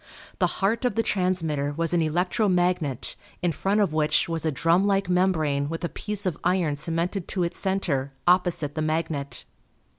The heart of the transmitter was an electro magnet in front of which was a drum like membrane with a piece of iron cemented to its center opposite the magnet.